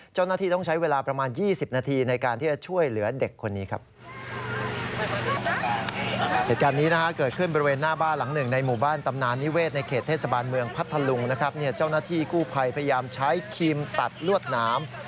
เจ้าหน้าที่กู้ภัยพยายามใช้ครีมตัดรวดหนาม